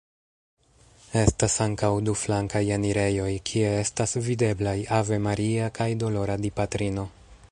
Estas ankaŭ du flankaj enirejoj, kie estas videblaj Ave Maria kaj Dolora Dipatrino.